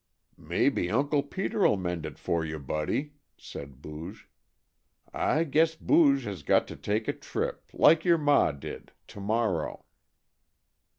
"Maybe Uncle Peter'll mend it for you, Buddy," said Booge. "I guess Booge has got to take a trip, like your ma did, to morrow."